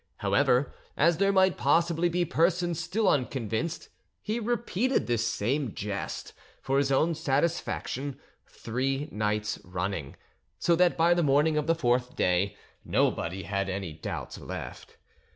However, as there might possibly be persons still unconvinced, he repeated this same jest, for his own satisfaction, three nights running; so that by the morning of the fourth day nobody had any doubts left.